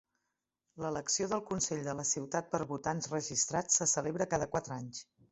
L'elecció del consell de la ciutat per votants registrats se celebra cada quatre anys.